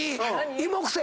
芋くせえ。